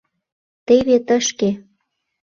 — Теве тышке...